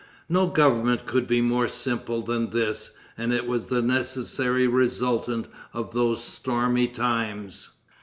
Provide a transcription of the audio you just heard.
No government could be more simple than this; and it was the necessary resultant of those stormy times.